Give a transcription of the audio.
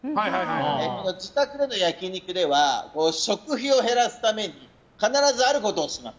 自宅での焼き肉では食費を減らすために必ずあることをします。